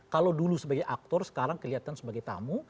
kalau dulu sebagai aktor sekarang kelihatan sebagai tamu